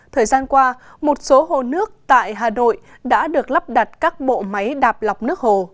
thời gian qua một số hồ nước tại hà nội đã được lắp đặt các bộ máy đạp lọc nước hồ